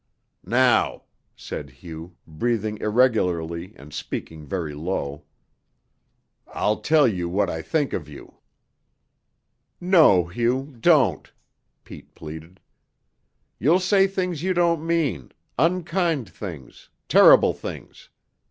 "Now," said Hugh, breathing irregularly and speaking very low, "I'll tell you what I think of you." "No, Hugh, don't," Pete pleaded. "You'll say things you don't mean unkind things, terrible things.